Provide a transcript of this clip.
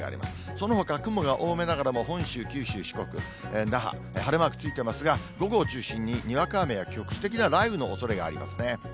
そのほか雲が多めながらも、本州、九州、四国、那覇、晴れマークついてますが、午後を中心ににわか雨や局地的な雷雨のおそれがありますね。